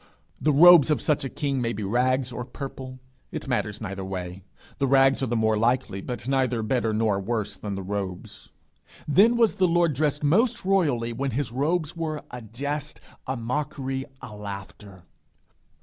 The robes of such a king may be rags or purple; it matters neither way. The rags are the more likely, but neither better nor worse than the robes. Then was the Lord dressed most royally when his robes were a jest, a mockery, a laughter.